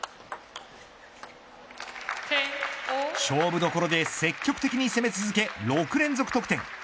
勝負どころで積極的に攻め続け６連続得点。